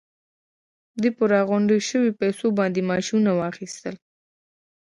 دوی په راغونډو شويو پیسو باندې ماشينونه واخيستل.